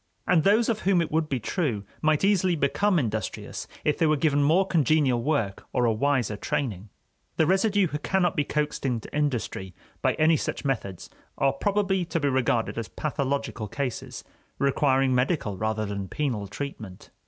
And those of whom it would be true might easily become industrious if they were given more congenial work or a wiser training. The residue who cannot be coaxed into industry by any such methods are probably to be regarded as pathological cases, requiring medical rather than penal treatment.